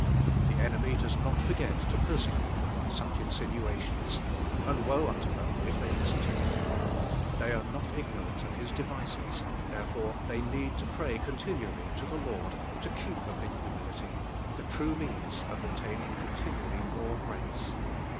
The enemy does not forget to persecute them by such insinuations, ami woe onto them if they listen to him. They are not ig norant of his devices, therefore they need to pray continually to the Lord to keep them in humility, the true means of ob taining continually more grace.